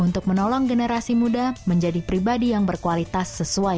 tuhan memberkati kita semua